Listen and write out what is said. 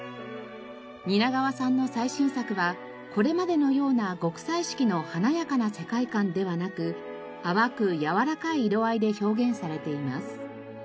蜷川さんの最新作はこれまでのような極彩色の華やかな世界観ではなく淡くやわらかい色合いで表現されています。